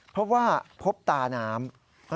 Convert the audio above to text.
เพราะว่าพบตาน้ำ